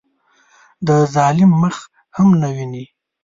د ظالم مخ هم نه ویني.